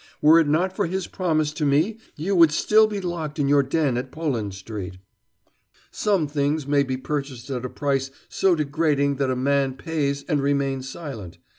Were it not for his promise to me you would still be locked in your den at Poland Street." "Some things may be purchased at a price so degrading that a man pays and remains silent.